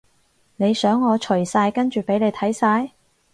你想我除晒跟住畀你睇晒？